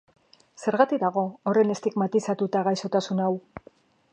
Zergatik dago horren estigmatizatuta gaixotasun hau?